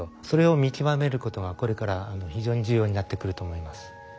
それを見極めることがこれから非常に重要になってくると思います。